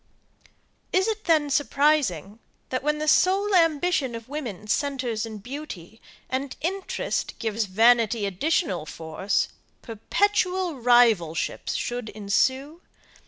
Is it then surprising, that when the sole ambition of woman centres in beauty, and interest gives vanity additional force, perpetual rivalships should ensue?